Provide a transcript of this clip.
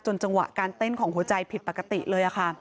จังหวะการเต้นของหัวใจผิดปกติเลยค่ะ